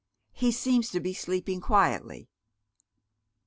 "He seems to be sleeping quietly."